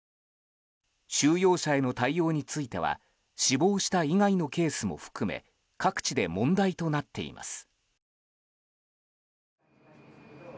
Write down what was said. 収容者への対応については死亡した以外のケースも含め各地で問題となっています。